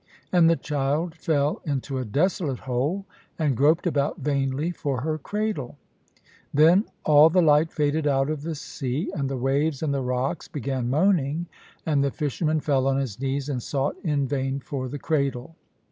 And the child fell into a desolate hole, and groped about vainly for her cradle. Then all the light faded out of the sea, and the waves and the rocks began moaning, and the fisherman fell on his knees, and sought in vain for the cradle.